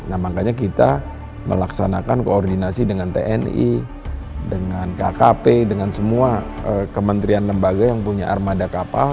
nah makanya kita melaksanakan koordinasi dengan tni dengan kkp dengan semua kementerian lembaga yang punya armada kapal